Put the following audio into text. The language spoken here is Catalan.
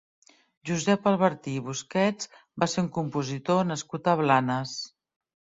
Josep Albertí i Busquets va ser un compositor nascut a Blanes.